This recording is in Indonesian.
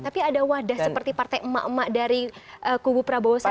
tapi ada wadah seperti partai emak emak dari kubu prabowo sandi